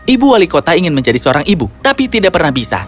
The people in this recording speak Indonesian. ibu wali kota ingin menjadi seorang ibu tapi tidak pernah bisa